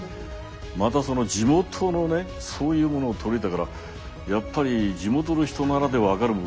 またその地元のねそういうものを取り入れたからやっぱり地元の人ならで分かるもんがいっぱいあるじゃないですか。